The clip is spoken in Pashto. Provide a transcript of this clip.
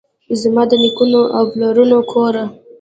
زما دنیکونو اوپلرونو کوره!